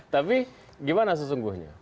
tapi gimana sesungguhnya